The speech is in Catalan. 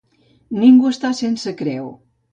Ningú està sense creu.